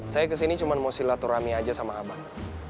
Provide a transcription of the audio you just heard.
saya kesini cuma mau silaturahmi aja sama abang